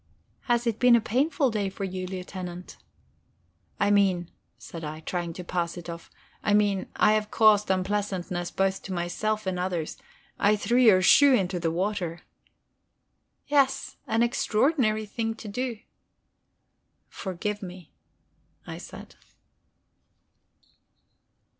"Has it been a painful day for you, Lieutenant?" "I mean," said I, trying to pass it off, "I mean, I have caused unpleasantness both to myself and others. I threw your shoe into the water." "Yes an extraordinary thing to do." "Forgive me," I said.